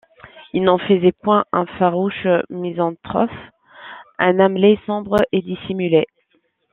Il n’en faisait point un farouche misanthrope, un Hamlet sombre et dissimulé.